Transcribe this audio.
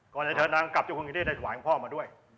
ก่อนให้เธอนั้นกลับเจ้าคุณแคนดี้ได้สวายของพ่อมาด้วย